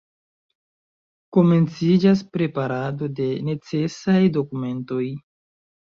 Komenciĝas preparado de necesaj dokumentoj.